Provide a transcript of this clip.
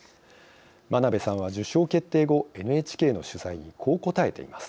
真鍋さんは受賞決定後ＮＨＫの取材にこう答えています。